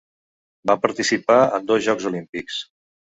Va participar en dos Jocs Olímpics.